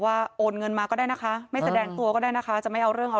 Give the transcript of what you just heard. โอนเงินมาก็ได้นะคะไม่แสดงตัวก็ได้นะคะจะไม่เอาเรื่องเอา